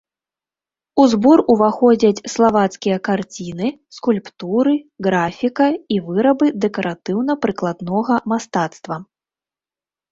У збор уваходзяць славацкія карціны, скульптуры, графіка і вырабы дэкаратыўна-прыкладнага мастацтва.